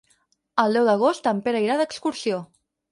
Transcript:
El deu d'agost en Pere irà d'excursió.